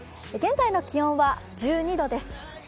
現在の気温は１２度です。